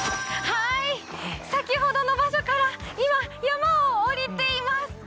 先ほどの場所から今、山を下りています。